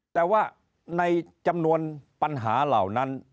แต่ว่าในจำนวนปัญหาเหล่านั้น